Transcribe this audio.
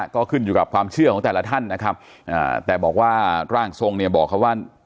ก็ขึ้นอยู่กับความเชื่อของแต่ละท่านนะครับแต่บอกว่าร่างทรงเนี่ยบอกเขาว่า